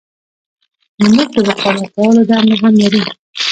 نو موږ د مقاومت کولو دنده هم لرو.